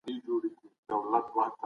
خلګ بايد سوله وساتي.